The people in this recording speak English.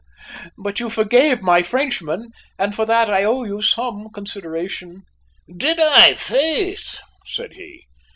but you forgave my Frenchman, and for that I owe you some consideration." "Did I, faith?" said he.